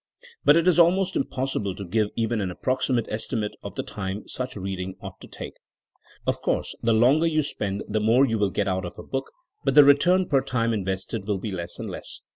But it is almost impos sible to give even an approximate estimate of the time such reading ought to take. Of course 176 THINKINO AS A 80IEN0E the longer you spend the more you will get out of a book, but the return per time invested will be less and less.